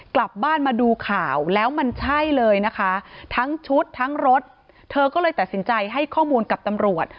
มาดูข่าวแล้วมันใช่เลยนะคะทั้งชุดทั้งรถเธอก็เลยตัดสินใจให้ข้อมูลกับตำรวจ